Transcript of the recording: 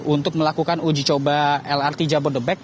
untuk melakukan uji coba lrt jabodebek